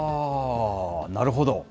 なるほど。